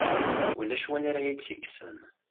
Ulac win ara iyi-tt-yekksen.